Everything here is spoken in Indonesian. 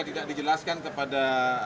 tidak dijelaskan kepada